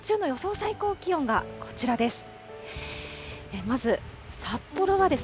最高気温がこちらです。